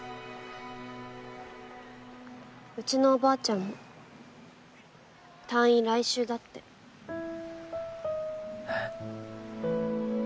うちのおばあちゃんも退院来週だってえっ？